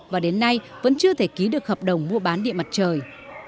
và đến nay vẫn chưa thể ký được hợp đồng mua bán điện mặt trời